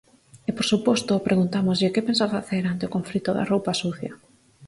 E, por suposto, preguntámoslle que pensa facer ante o conflito da roupa sucia.